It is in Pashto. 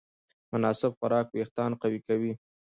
مناسب خوراک وېښتيان قوي کوي.